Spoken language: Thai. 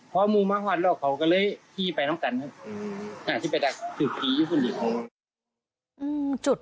พี่บ๊ายพี่บ๊ายพี่บ๊ายพี่บ๊ายพี่บ๊ายพี่บ๊าย